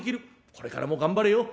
これからも頑張れよ。